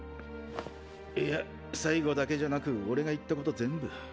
いや最後だけじゃなく俺が言ったこと全部。